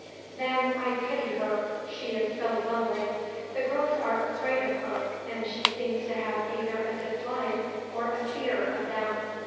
Then, I pity her, she is so lonely. The girls are afraid of her, and she seems to have either a dislike or a fear of them.